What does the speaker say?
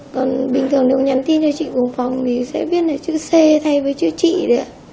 còn bình thường nếu nhắn tin cho chị cùng phòng thì sẽ viết là chữ c thay với chữ chị đấy ạ